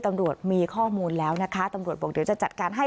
ตำรวจมีข้อมูลแล้วนะคะตำรวจบอกเดี๋ยวจะจัดการให้